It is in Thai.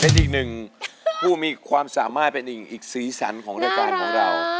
เป็นอีกหนึ่งผู้มีความสามารถเป็นอีกสีสันของรายการของเรา